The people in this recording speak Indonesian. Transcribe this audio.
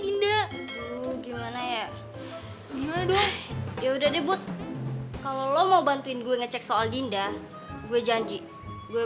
dinda gimana ya gimana dong ya udah debut kalau lo mau bantuin gue ngecek soal dinda gue janji gue